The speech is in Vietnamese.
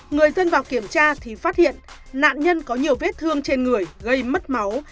người dân vào kiểm tra thì phát hiện nạn nhân có nhiều vết thương trên người gây mất máu